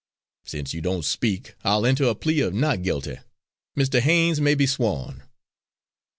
Since you don't speak, I'll enter a plea of not guilty. Mr. Haines may be sworn."